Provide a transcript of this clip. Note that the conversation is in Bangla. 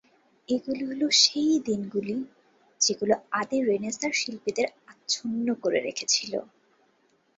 এগুলি হল সেই দিকগুলি যেগুলি আদি রেনেসাঁর শিল্পীদের আচ্ছন্ন করে রেখেছিল।